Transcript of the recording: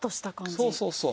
そうそうそう。